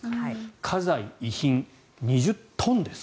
家財、遺品、２０トンです。